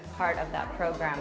bagian dari program itu